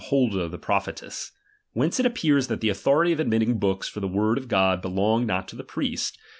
Holda the prophetess. Whence it appears that the autbority of admitting boohs for the word of God, belonged not to the priest.